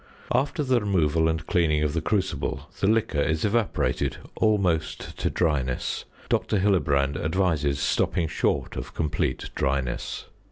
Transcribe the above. After the removal and cleaning of the crucible, the liquor is evaporated almost to dryness. Dr. Hillebrand advises stopping short of complete dryness.